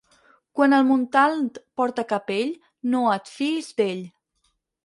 Quan el Montalt porta capell, no et fiïs d'ell.